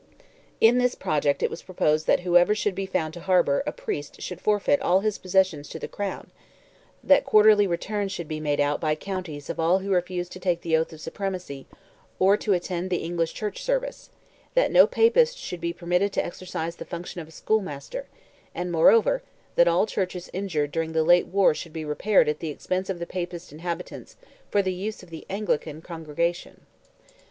In this project it was proposed that whoever should be found to harbour a Priest should forfeit all his possessions to the Crown—that quarterly returns should be made out by counties of all who refused to take the oath of supremacy, or to attend the English Church service—that no Papist should be permitted to exercise the function of a schoolmaster; and, moreover, that all churches injured during the late war should be repaired at the expense of the Papist inhabitants for the use of the Anglican congregation.